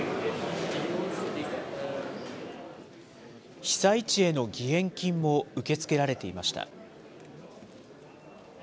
被災地への義援金も、受け付けられていました。